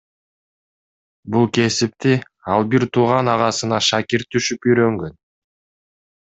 Бул кесипти ал бир тууган агасына шакирт түшүп үйрөнгөн.